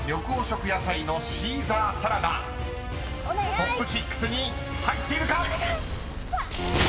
［トップ６に入っているか？］